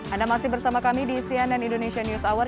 anda masih bersama kami di cnn indonesia news hour